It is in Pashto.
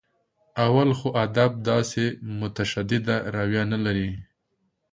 اول خو ادب داسې متشدده رویه نه لري.